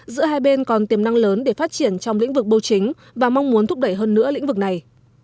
giữa hai bên còn tiềm năng lớn để phát triển trong lĩnh vực bưu chính và mong muốn thúc đẩy hơn nữa lĩnh vực này